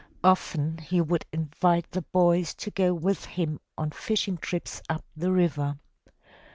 Often he would invite the boys to go with him on fishing trips up the river.